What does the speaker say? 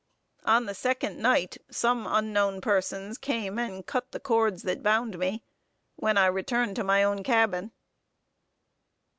On the second night some unknown persons came and cut the cords that bound me, when I returned to my own cabin."